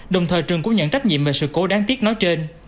đồng thời trường cũng nhận trách nhiệm về sự cố đáng tiếc nói trên